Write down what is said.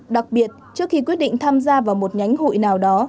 đặc biệt trước khi quyết định tham gia vào một nhánh hội nào đó